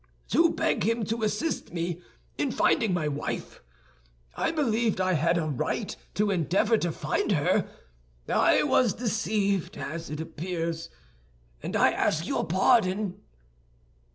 "To beg him to assist me in finding my wife. I believed I had a right to endeavor to find her. I was deceived, as it appears, and I ask your pardon."